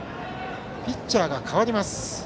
ピッチャーが代わります。